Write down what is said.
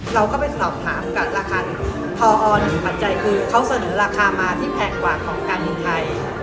เราก็ไปสอบถามกับราคาทอ๑ปัจจัยคือเขาเสนอราคามาที่แพงกว่าของการบินไทย